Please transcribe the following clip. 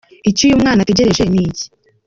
Icyo uyu mwana ategereje ni iki ?.